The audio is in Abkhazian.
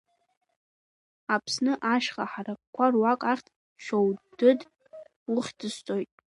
Аԥсны ашьха ҳаракқуа руак ахьӡ Шьоудыд ухьӡысҵоит.